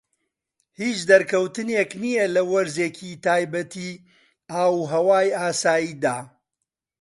هیچ دەرکەوتنێک نیە لە وەرزێکی تایبەتی ئاوهەوای ئاساییدا.